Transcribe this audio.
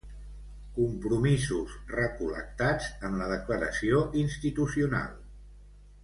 Compromisos recol·lectats en la declaració institucional.